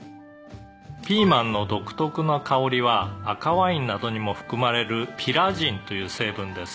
「ピーマンの独特な香りは赤ワインなどにも含まれるピラジンという成分です」